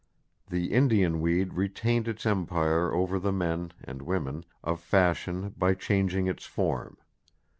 The Indian weed retained its empire over the men (and women) of fashion by changing its form.